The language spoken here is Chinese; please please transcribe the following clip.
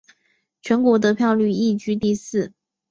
全国得票率亦居第四。